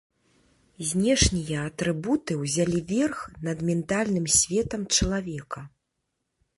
Знешнія атрыбуты ўзялі верх над ментальным светам чалавека.